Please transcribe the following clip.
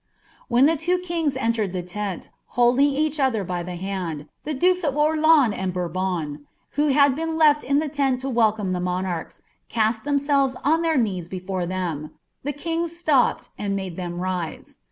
fVWlien the two kings entered the lent, holding each other by the id, Ihe duke« of Orleans and Bourbon, wlin had been left in the tent _> welcome the monarchs, cast themselves on their knees before them; the kings slopped and made them rise.